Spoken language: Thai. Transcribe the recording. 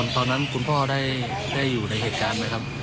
คุณพ่อได้อยู่ในเหตุการณ์ไหมครับ